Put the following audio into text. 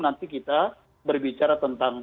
nanti kita berbicara tentang